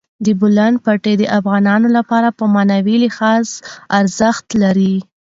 د بولان پټي د افغانانو لپاره په معنوي لحاظ ارزښت لري.